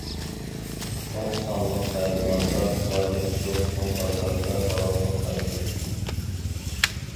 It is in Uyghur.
چوڭ سانلىق مەلۇماتلار غايەت زور چوڭ بازاردا داۋاملىق ئاشىدۇ.